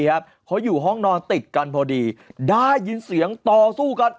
เขาอยู่ห้องนอนติดกันพอดีได้ยินเสียงต่อสู้กัน